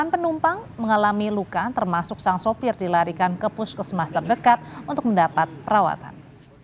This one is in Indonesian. delapan penumpang mengalami luka termasuk sang sopir dilarikan ke puskesmas terdekat untuk mendapat perawatan